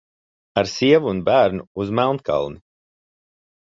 Ar sievu un bērnu uz Melnkalni!